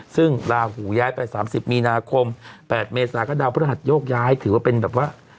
ซึ่งลาหูย้ายไป๓๐มีนาคม๘เมษาก็ดาวพระหัสโยกย้ายถือว่าเป็นแบบว่า